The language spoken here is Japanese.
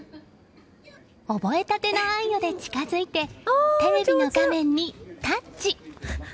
覚えたてのあんよで近づいてテレビの画面にタッチ！